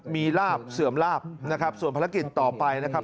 มีลาบเสื่อมลาบนะครับส่วนภารกิจต่อไปนะครับ